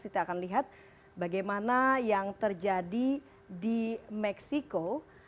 kita akan lihat bagaimana yang terjadi di meksiko